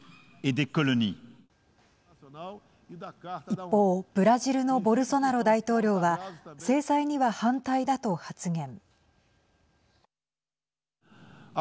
一方、ブラジルのボルソナロ大統領は制裁には反対だと発言。